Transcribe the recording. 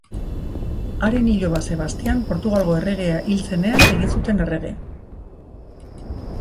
Haren iloba Sebastian Portugalgo erregea hil zenean egin zuten errege.